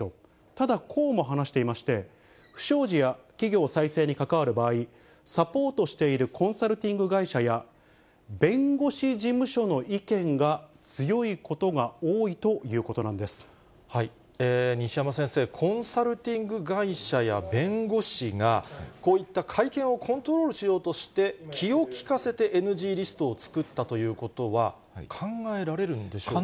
ただ、こうも話していまして、不祥事や企業再生に関わる場合、サポートしているコンサルティング会社や弁護士事務所の意見が強西山先生、コンサルティング会社や弁護士が、こういった会見をコントロールしようとして気を利かせてＮＧリストを作ったということは、考えられるんでしょうか。